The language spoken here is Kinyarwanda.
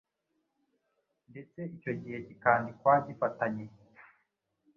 ndetse icyo gihe kikandikwa gifatanye.